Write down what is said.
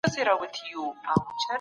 که خیر نشئ رسولی نو شر هم مه رسوئ.